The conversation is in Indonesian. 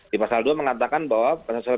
di pasal dua mengatakan bahwa penyesuaian